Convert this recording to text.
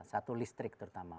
satu listrik terutama